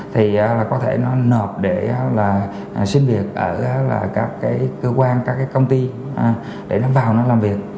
thì có thể nó nộp để là xin việc ở các cái cơ quan các cái công ty để nó vào nó làm việc